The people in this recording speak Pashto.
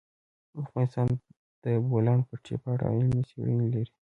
افغانستان د د بولان پټي په اړه علمي څېړنې لري.